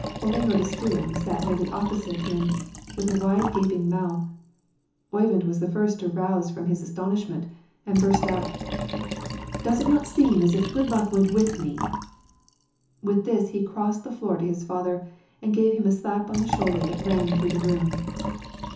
Ole Nordistuen sat nearly opposite him, with wide gaping mouth. Oyvind was the first to rouse from his astonishment, and burst out, "Does it not seem as if good luck went with me!" With this he crossed the floor to his father, and gave him a slap on the shoulder that rang through the room.